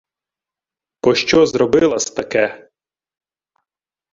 — Пощо зробила-с таке?